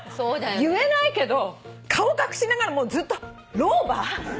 言えないけど顔隠しながらずっと老婆！？